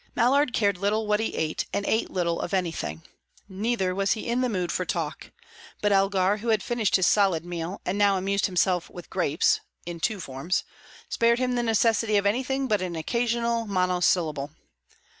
Mallard cared little what he ate, and ate little of any thing. Neither was he in the mood for talk; but Elgar, who had finished his solid meal, and now amused himself with grapes (in two forms), spared him the necessity of anything but an occasional monosyllable.